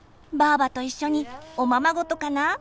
ばあばと一緒におままごとかな？